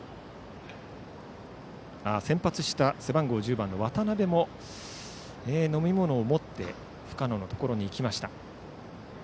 先発した背番号１０番の渡部も飲み物を持って深野のところに行きました。